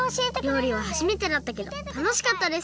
りょうりははじめてだったけどたのしかったです！